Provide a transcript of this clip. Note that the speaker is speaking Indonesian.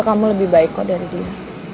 kamu juga lebih baik dari dia